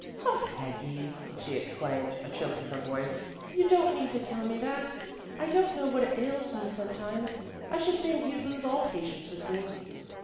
"Oh, Peggy," she exclaimed, a choke in her voice. "You don't need to tell me that. I don't know what ails me sometimes. I should think you'd lose all patience with me."